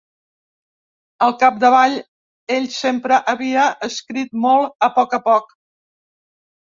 Al capdavall, ell sempre havia escrit molt a poc a poc.